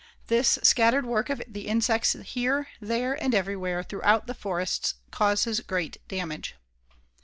This scattered work of the insects here, there, and everywhere throughout the forests causes great damage.